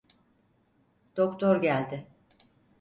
Doktor geldi.